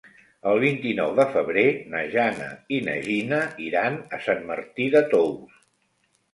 El vint-i-nou de febrer na Jana i na Gina iran a Sant Martí de Tous.